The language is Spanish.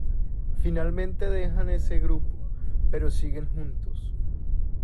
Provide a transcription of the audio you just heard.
Finalmente dejan ese grupo, pero siguen juntos.